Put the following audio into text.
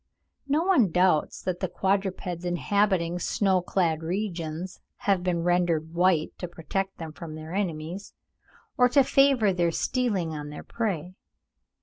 No one doubts that the quadrupeds inhabiting snow clad regions have been rendered white to protect them from their enemies, or to favour their stealing on their prey.